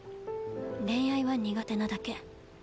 恋愛は苦手なだけ。